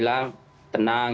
jangan paniklah dia bilang